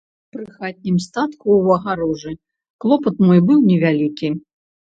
Пры хатнім статку ў агароджы клопат мой быў невялікі.